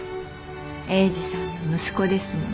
英治さんの息子ですもの。